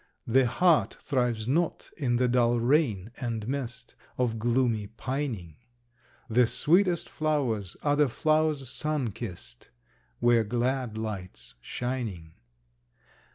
The heart thrives not in the dull rain and mist Of gloomy pining. The sweetest flowers are the flowers sun kissed, Where glad light's shining.